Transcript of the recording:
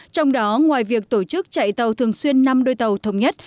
trong đó ngoài việc tổ chức chạy tàu thường xuyên năm đôi tàu thống nhất